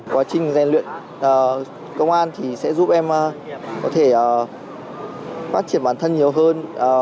quá trình dẹp luyện công an thì sẽ giúp em có thể phát triển bản thân nhiều hơn